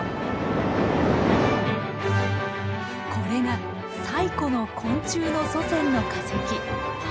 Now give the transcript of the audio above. これが最古の昆虫の祖先の化石。